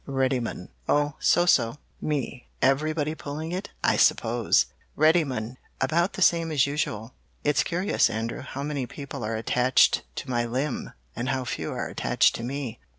"Reddymun Oh, so so. "Me Everybody pulling it, I suppose? "Reddymun About the same as usual. It's curious, Andrew, how many people are attached to my limb, and how few are attached to me.